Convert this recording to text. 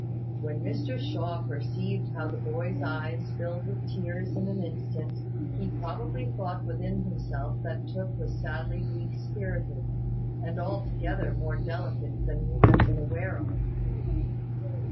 When Mr Shaw perceived how the boy's eyes filled with tears in an instant, he probably thought within himself that Tooke was sadly weak spirited, and altogether more delicate than he had been aware of.